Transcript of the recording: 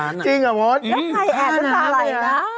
อย่างไรแอบน้ำอะไรล่ะ